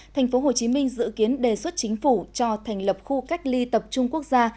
tp hcm dự kiến đề xuất chính phủ cho thành lập khu cách ly tập trung quốc gia